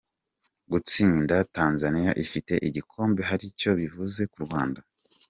Gutsinda Tanzania ifite igikombe hari icyo bivuze ku Rwanda:.